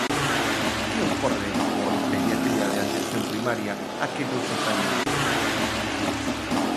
Que ocorre coa Pediatría de Atención Primaria, á que non se fai mención?